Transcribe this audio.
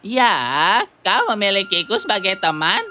ya kau memiliki ku sebagai teman